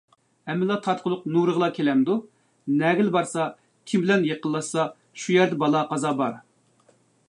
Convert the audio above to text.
ھەممە تارتقۇلۇق نۇرىغىلا كېلەمدۇ، نەگىلا بارسا، كىم بىلەن يېقىنلاشسا شۇ يەردە بالا-قازا بار،